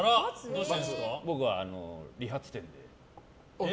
僕は理髪店で。